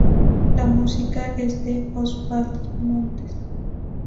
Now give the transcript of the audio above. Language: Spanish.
La música es de Osvaldo Montes.